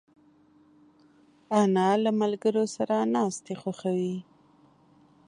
انا له ملګرو سره ناستې خوښوي